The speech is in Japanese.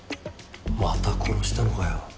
また殺したのかよ。